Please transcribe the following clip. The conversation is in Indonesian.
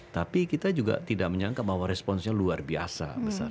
tapi kita juga tidak menyangka bahwa responsnya luar biasa besar